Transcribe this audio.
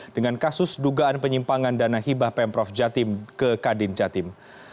dengan kasus dugaan penyimpangan dana hibah pemprov jatim ke kadin jatim